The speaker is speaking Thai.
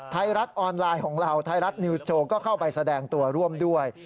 ไทยรัฐออนไลน์ของเราไทยรัฐนิวส์โชว์ก็เข้าไปแสดงตัวร่วมด้วย